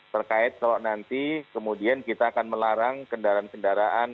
terkait kalau nanti kemudian kita akan melarang kendaraan kendaraan